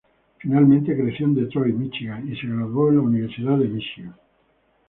Finalmente creció en Detroit, Míchigan y se graduó en la Universidad de Míchigan.